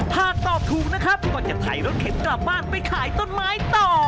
หากตอบถูกนะครับก็จะถ่ายรถเข็นกลับบ้านไปขายต้นไม้ต่อ